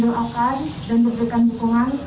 saya dinyatakan sembuh total dan boleh pulang